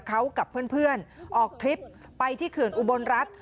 เขากับเพื่อนออกทริปไปที่เขื่อนอุบลรัฐ